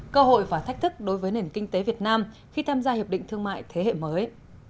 cơ hội và thách thức đối với nền kinh tế việt nam khi tham gia hiệp định thương mại thế hệ mới